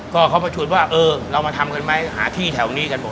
ก็เขามาชวนว่าเออเรามาทำเงินไหมหาที่แถวนี้กันบอก